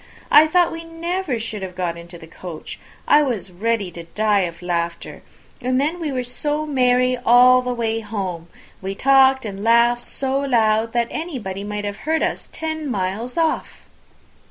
I thought we never should have got into the coach. I was ready to die of laughter. And then we were so merry all the way home! we talked and laughed so loud, that anybody might have heard us ten miles off!"